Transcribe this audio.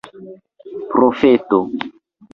profeto